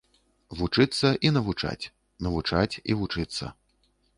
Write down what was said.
Вучыцца і навучаць, навучаць і вучыцца.